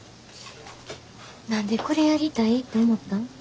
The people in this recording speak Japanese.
何でこれやりたいって思ったん？